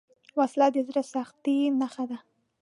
وسله د زړه سختۍ نښه ده